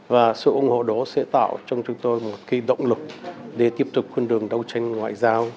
và sự ủng hộ đó sẽ tạo trong chúng tôi một cái động lực để tiếp tục khuôn đường đấu tranh ngoại giao